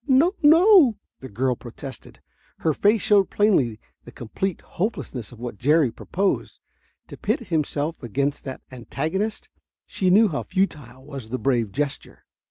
"No no!" the girl protested. Her face showed plainly the complete hopelessness of what Jerry proposed. To pit himself against that antagonist she knew how futile was the brave gesture.